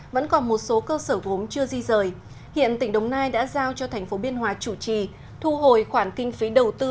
vẫn còn một số cơ sở gốm chưa di rời hiện tỉnh đồng nai đã giao cho thành phố biên hòa chủ trì thu hồi khoản kinh phí đầu tư